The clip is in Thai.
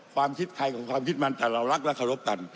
ความคิดไทยของความคิดมันแต่เรารักและเคารพกัน